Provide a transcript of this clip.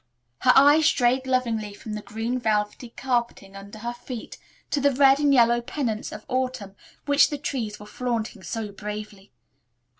Her eyes strayed lovingly from the green velvety carpeting under her feet to the red and yellow pennants of autumn which the trees were flaunting so bravely.